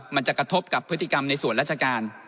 มันจะกระทบกับพฤติกรรมในส่วนราชการ